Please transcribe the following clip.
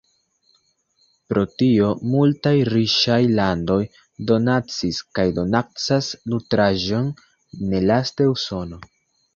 Pro tio multaj riĉaj landoj donacis kaj donacas nutraĵon, nelaste Usono.